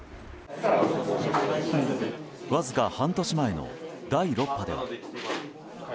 わずか半年前の第６波では。